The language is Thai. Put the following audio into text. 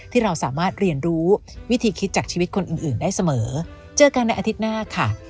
ที่เราสามารถเรียนรู้วิธีคิดจากชีวิตคนอื่นได้เสมอเจอกันในอาทิตย์หน้าค่ะ